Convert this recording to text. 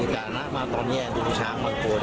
แต่ตอนนี้ช้างมาพูด